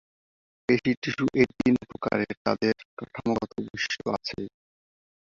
পেশী টিস্যু এই তিন প্রকারের তাদের কাঠামোগত বৈশিষ্ট্য আছে।